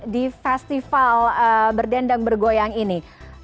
di festival berdendang bergoyang ini